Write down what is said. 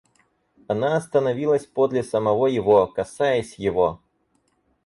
Она остановилась подле самого его, касаясь его.